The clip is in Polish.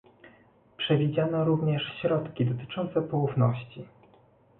Przewidziano również środki dotyczące poufności